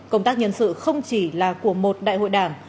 công tác nhân sự không chỉ là của một đại hội đảng